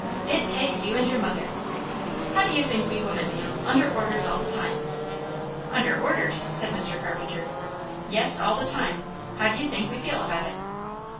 It takes you and your mother! How do you think we women feel, under orders all the time?" "Under orders!" said Mr. Carpenter. "Yes, all the time. How d'you think we feel about it?"